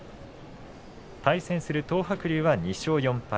対戦する東白龍は２勝４敗。